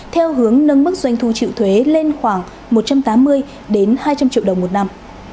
theo hướng nâng mức doanh thu triệu thuế lên khoảng một trăm tám mươi hai trăm linh triệu đồng một năm